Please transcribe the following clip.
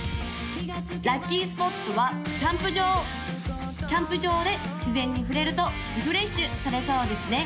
・ラッキースポットはキャンプ場キャンプ場で自然に触れるとリフレッシュされそうですね